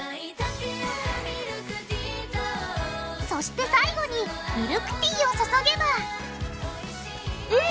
そして最後にミルクティーを注げばうん！